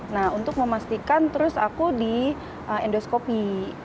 nah untuk memastikan terus aku di endoskopi